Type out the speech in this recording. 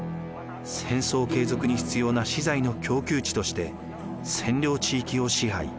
戦争継続に必要な資材の供給地として占領地域を支配。